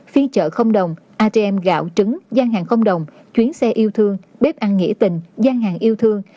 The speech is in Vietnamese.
phiên chợ không đồng atm gạo trứng gian hàng không đồng chuyến xe yêu thương bếp ăn nghỉ tình gian hàng yêu thương